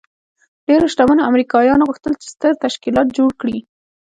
ډېرو شتمنو امريکايانو غوښتل چې ستر تشکيلات جوړ کړي.